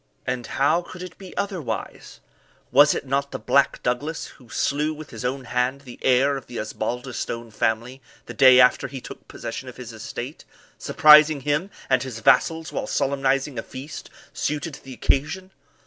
And how could it be otherwise? Was it not the Black Douglas who slew with his own hand the heir of the Osbaldistone family the day after he took possession of his estate, surprising him and his vassals while solemnizing a feast suited to the occasion?